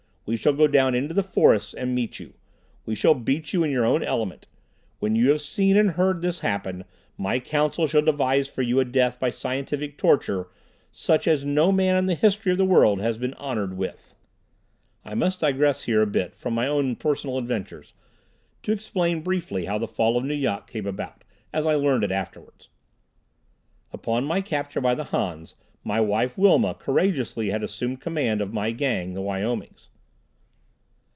We shall go down into the forests and meet you. We shall beat you in your own element. When you have seen and heard this happen, my Council shall devise for you a death by scientific torture, such as no man in the history of the world has been honored with." I must digress here a bit from my own personal adventures to explain briefly how the fall of Nu Yok came about, as I learned it afterward. Upon my capture by the Hans, my wife, Wilma, courageously had assumed command of my Gang, the Wyomings.